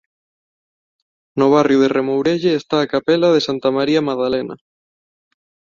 No barrio de Remourelle está a capela de Santa María Madalena.